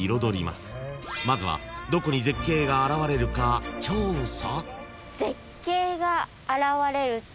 ［まずはどこに絶景が現れるか調査］